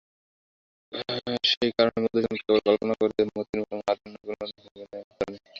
সেই কারণে মধুসূদন কেবল কল্পনা করে মোতির মা যেন নবীনের মন ভাঙাতেই আছে।